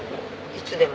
いつでも？